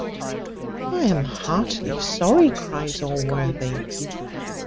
"I am heartily sorry," cries Allworthy.